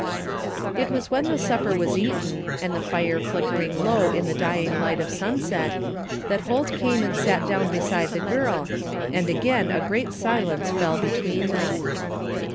It was when the supper was eaten and the fire flickering lonf in the dying light of sunset that Holt came and sat down beside the girl, and again a great silence fell between them.